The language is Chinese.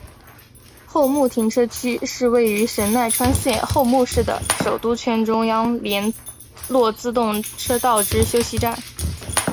厚木停车区是位于神奈川县厚木市的首都圈中央连络自动车道之休息站。